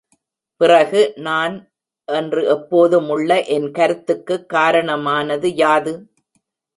பிறகு, நான் என்று எப்போதுமுள்ள என் கருத்துக்குக் காரணமானது யாது?